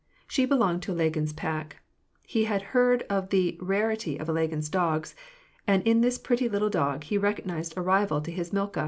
She belonged to Ilagin's pack. He had heard of the rarity of Ilagin's dogs ; and in this pretty little dog, he recognized a rival to his Milka.